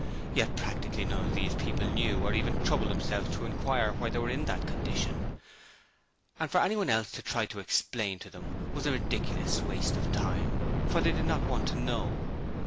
Yet practically none of these people knew or even troubled themselves to inquire why they were in that condition; and for anyone else to try to explain to them was a ridiculous waste of time, for they did not want to know.